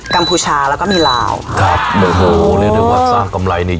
กพูชาแล้วก็มีลาวครับโอ้โหเรียกได้ว่าสร้างกำไรนี่